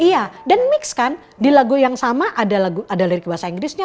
iya dan mix kan di lagu yang sama ada dari bahasa inggrisnya